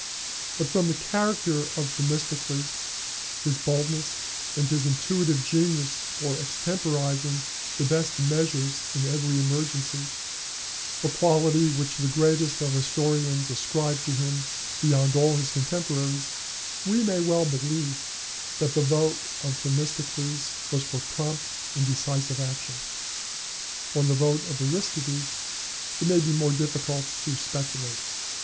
But, from the character of Themistocles, his boldness, and his intuitive genius for extemporizing the best measures in every emergency a quality which the greatest of historians ascribes to him beyond all his contemporaries we may well believe that the vote of Themistocles was for prompt and decisive action. On the vote of Aristides it may be more difficult to speculate.